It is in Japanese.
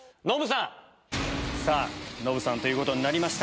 ノブさんということになりました。